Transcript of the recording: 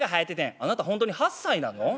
「あなたほんとに８歳なの？